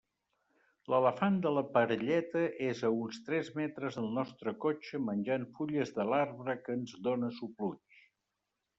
L'elefant de la parelleta és a uns tres metres del nostre cotxe menjant fulles de l'arbre que ens dóna sopluig.